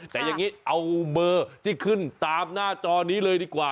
แต่อย่างนี้เอาเบอร์ที่ขึ้นตามหน้าจอนี้เลยดีกว่า